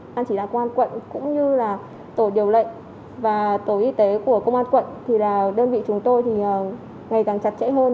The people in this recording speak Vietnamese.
ban chỉ đạo công an quận cũng như là tổ điều lệnh và tổ y tế của công an quận thì đơn vị chúng tôi thì ngày càng chặt chẽ hơn